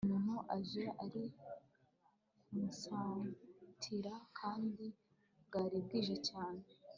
umuntu aje ari kunsatira kandi bwari bwije cyane